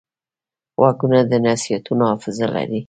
غوږونه د نصیحتونو حافظه لري